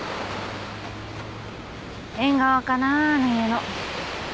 縁側かなぁあの家の。